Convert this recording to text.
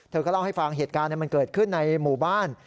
เธอก็เล่าให้ฟังเหตุการณ์มันเกิดขึ้นในหมู่บ้าน